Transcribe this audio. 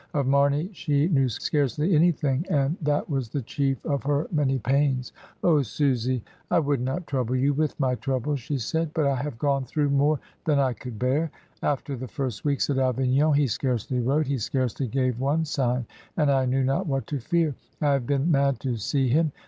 Of Marney she knew scarcely anything, and that was the chief of her many pains. "Oh, Susy! I would not trouble you with my troubles," she said, "but I have gone through more than I could bear. After the first weeks at Avignon he scarcely wrote; he scarcely gave one sign, and I knew not what to fear. I have been mad to see him.